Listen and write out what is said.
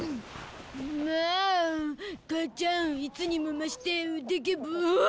母ちゃんいつにも増して腕毛ボーおおっ！